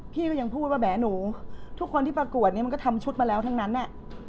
พี่ก็ยังพูดว่าแหมหนูทุกคนที่ประกวดนี้มันก็ทำชุดมาแล้วทั้งนั้นน่ะ